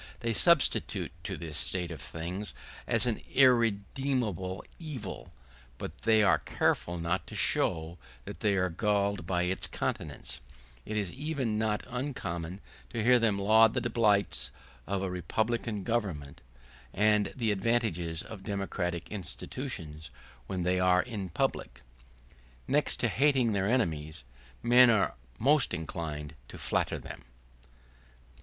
They submit to this state of things as an irremediable evil, but they are careful not to show that they are galled by its continuance; it is even not uncommon to hear them laud the delights of a republican government, and the advantages of democratic institutions when they are in public. Next to hating their enemies, men are most inclined to flatter them.